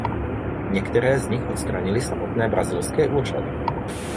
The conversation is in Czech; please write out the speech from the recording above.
Některé z nich odstranily samotné brazilské úřady.